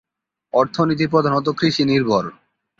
অর্থনীতি প্রধানত কৃষি নির্ভর।